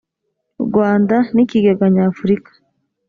rwanda n ikigega nyafurika